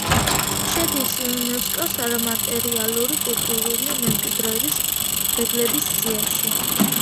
შედის იუნესკოს არამატერიალური კულტურული მემკვიდრეობის ძეგლების სიაში.